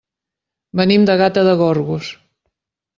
Venim de Gata de Gorgos.